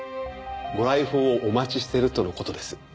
ご来訪をお待ちしているとの事です。